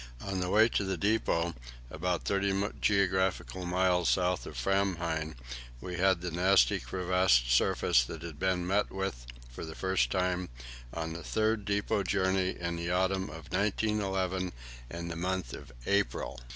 On the way to the depot, about thirty geographical miles south of Framheim, we had the nasty crevassed surface that had been met with for the first time on the third depot journey in the autumn of 1911 in the month of April.